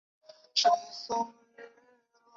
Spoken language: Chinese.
这次大选共有四位候选人。